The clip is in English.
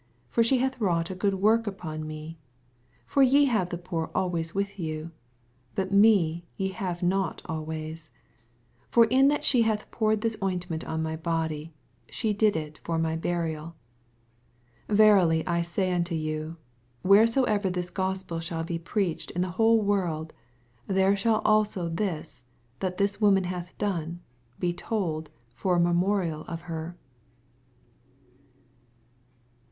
for she hath wrought a good work upon me. 11 For ye have the poor always with you J but me ye have not always* 12 For m that she hath poured tnis ointment on my body, she did U ft)i my burial. 18 Verily I say unto you, Where* soever this Gospel shall be preached in the whole world, l^e shaU also this, that this woman hath done, be told for a memorial of her.